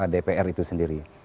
dpr itu sendiri